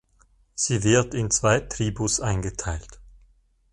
Sie wird in zwei Tribus eingeteilt.